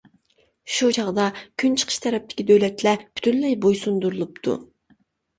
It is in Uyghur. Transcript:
شۇ چاغدا كۈنچىقىش تەرەپتىكى دۆلەتلەر پۈتۈنلەي بويسۇندۇرۇلۇپتۇ.